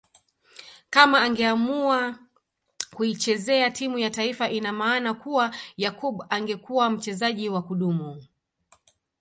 Kama angeamua kuichezea timu ya taifa ina maana kuwa Yakub angekuwa mchezaji wa kudumu